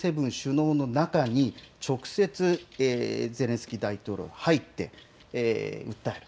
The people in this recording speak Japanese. オンラインではなくてＧ７首脳の中に直接ゼレンスキー大統領が入って訴える。